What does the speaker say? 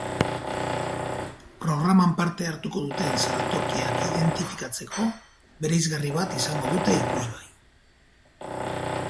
Programan parte hartuko duten saltokiak identifikatzeko, bereizgarri bat izango dute ikusgai.